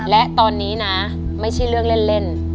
และตอนนี้นะไม่ใช่เรื่องเล่น